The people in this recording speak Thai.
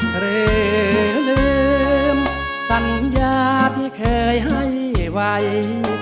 หรือลืมสัญญาที่เคยให้ไว้